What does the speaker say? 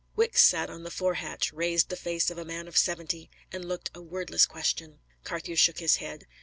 Wicks sat on the fore hatch, raised the face of a man of seventy, and looked a wordless question. Carthew shook his head.